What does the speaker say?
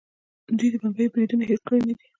دوی د ممبۍ بریدونه هیر کړي نه دي.